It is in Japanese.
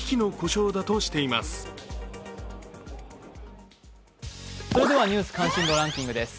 それでは「ニュース関心度ランキング」です。